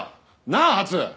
なあ初！